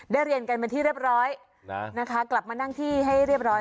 เรียนกันเป็นที่เรียบร้อยนะคะกลับมานั่งที่ให้เรียบร้อย